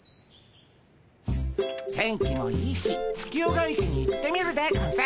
天気もいいし月夜が池に行ってみるでゴンス。